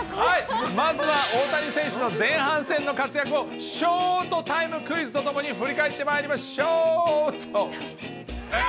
まずは大谷選手の前半戦の活躍を翔ートタイムクイズとともに振り返ってまいりましょう。